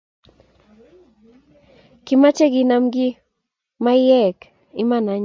Kimache kinam keye maiyek iman any